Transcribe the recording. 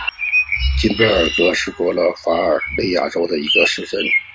金贝格是德国巴伐利亚州的一个市镇。